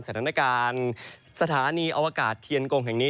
สถานการณ์สถานีอวกาศเทียนกงแห่งนี้